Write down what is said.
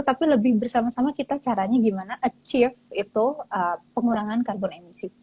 tapi lebih bersama sama kita caranya gimana achieve itu pengurangan karbon emisi